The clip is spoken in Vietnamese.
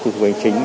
thủ tục hành chính